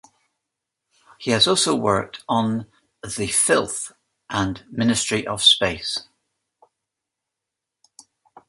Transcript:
He has also worked on "The Filth" and "Ministry of Space".